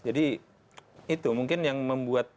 jadi itu mungkin yang membuat